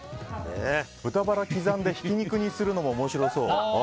豚バラ刻んでひき肉にするのも面白そう。